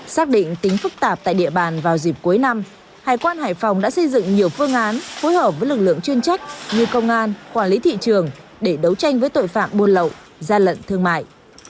xác định tính phức tạp tại địa bàn vào dịp cuối năm hải quan hải phòng đã xây dựng nhiều phương án phối hợp với lực lượng chuyên trách như công an quản lý thị trường để đấu tranh với tội phạm buôn lậu gian lận thương mại